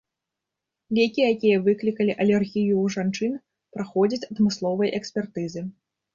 Лекі, якія выклікалі алергію ў жанчын, праходзяць адмысловыя экспертызы.